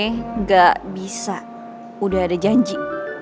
sorry gue gak bisa udah ada janji